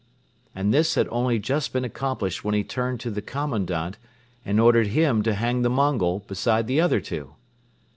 and this had only just been accomplished when he turned to the Commandant and ordered him to hang the Mongol beside the other two.